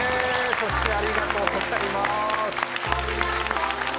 そしてありがとうございます！